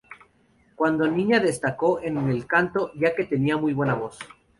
Cuando niña destacó en el canto ya que tenía muy buena voz.